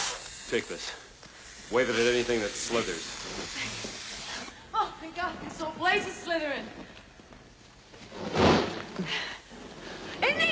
インディ！